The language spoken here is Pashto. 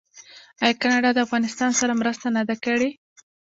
آیا کاناډا د افغانستان سره مرسته نه ده کړې؟